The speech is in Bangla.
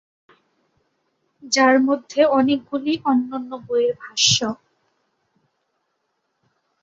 যার মধ্যে অনেকগুলি অন্যান্য বইয়ের ভাষ্য।